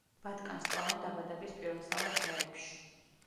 ბატკანს კლავენ დაბადების პირველსავე დღეებში.